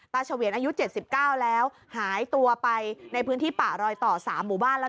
เฉวียนอายุ๗๙แล้วหายตัวไปในพื้นที่ป่ารอยต่อ๓หมู่บ้านแล้ว